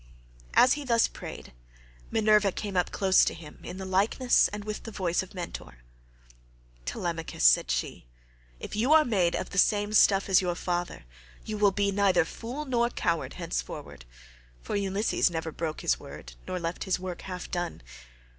As he thus prayed, Minerva came close up to him in the likeness and with the voice of Mentor. "Telemachus," said she, "if you are made of the same stuff as your father you will be neither fool nor coward henceforward, for Ulysses never broke his word nor left his work half done.